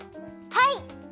はい！